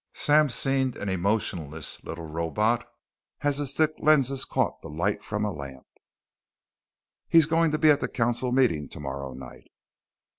Sam seemed an emotionless little robot as his thick lenses caught the light from a lamp. "He's going to be at the council meeting tomorrow night."